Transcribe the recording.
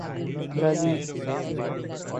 Brazil